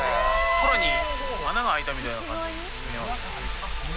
そらに穴が開いたみたいな感じに見えますよね。